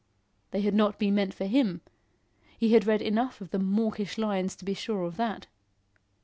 They had not been meant for him. He had read enough of the mawkish lines to be sure of that.